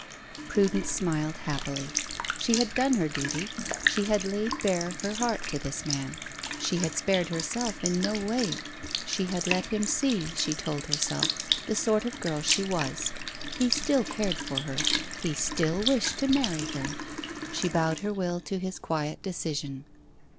Prudence smiled happily. She had done her duty; she had laid bare her heart to this man. She had spared herself in no way. She had let him see, she told herself, the sort of girl she was. He still cared for her; he still wished to marry her. She bowed her will to his quiet decision.